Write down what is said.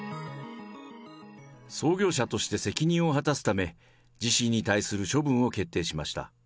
創業者として責任を果たすため、自身に対する処分を決定しました。